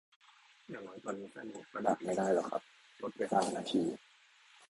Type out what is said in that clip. อย่างน้อยตอนนี้แฟนหงส์ก็ด่าไม่ได้แล้วครับ ทดเวลา นาที